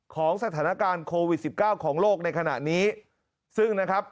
ของสถานการณ์โควิดสิบเก้าของโลกในขณะนี้ซึ่งนะครับ